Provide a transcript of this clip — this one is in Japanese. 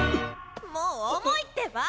もう重いってば！